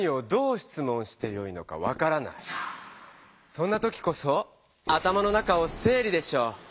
そんな時こそ頭の中をせい理でしょ。